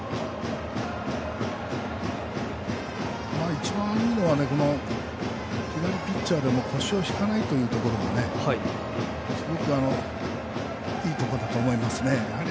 一番いいのは左ピッチャーでも腰を引かないというところがすごくいいところだと思います。